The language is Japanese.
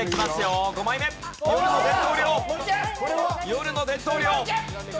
夜の伝統漁。